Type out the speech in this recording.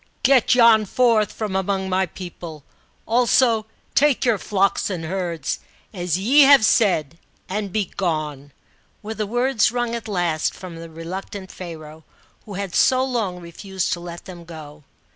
" Get yon forth from among my people ; also take your flocks and herds, as ye have said, and be gene," were the words wrung at last from the reluctant Pharaoh, who had sc long refused to let them go.